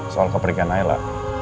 soal keberikan naila